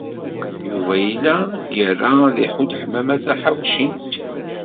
Yuba yella ira ad iḥudd Ḥemmama Taḥawcint.